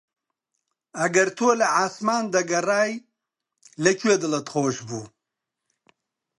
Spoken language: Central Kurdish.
ئەگەر تۆ لە عاسمان دەگەڕای لە کوێ دڵت خۆش بوو؟